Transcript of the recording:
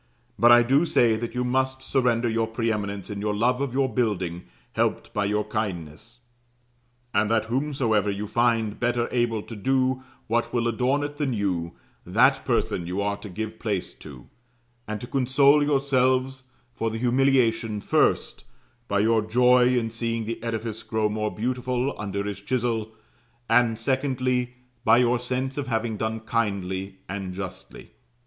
But I do say that you must surrender your pre eminence in your love of your building helped by your kindness; and that whomsoever you find better able to do what will adorn it than you, that person you are to give place to; and to console yourselves for the humiliation, first, by your joy in seeing the edifice grow more beautiful under his chisel, and secondly, by your sense of having done kindly and justly.